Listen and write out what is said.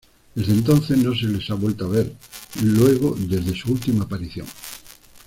Desde entonces no se les ha vuelto a ver luego desde su última aparición.